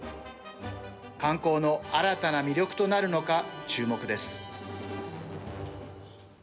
観光の新たな魅力となるのか注目です。